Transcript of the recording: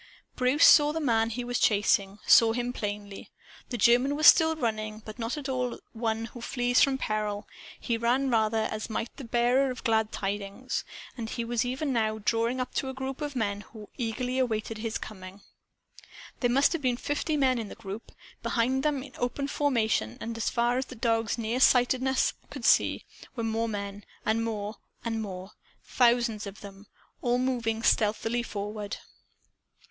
Bruce saw the man he was chasing, saw him plainly. The German was still running, but not at all as one who flees from peril. He ran, rather, as might the bearer of glad tidings. And he was even now drawing up to a group of men who awaited eagerly his coming. There must have been fifty men in the group. Behind them in open formation and as far as the dog's near sighted eyes could see were more men, and more, and more thousands of them, all moving stealthily forward.